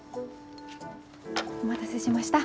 お待たせしました。